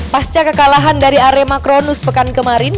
pas cek kekalahan dari arema kronus pekan kemarin